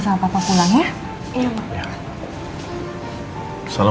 assalamualaikum warahmatullahi wabarakatuh